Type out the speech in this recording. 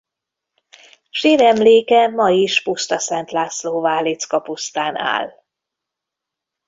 Síremléke ma is Pusztaszentlászló-Válickapusztán áll.